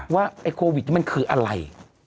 ว่าไอ้โควิดนี่มันคืออะไร